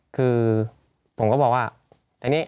คือผมก็บอกว่า